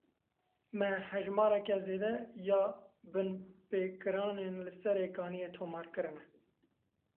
Me hejmareke zêde ya binpêkirinan li Serê Kaniyê tomar kirine.